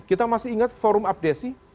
kita masih ingat forum abdesi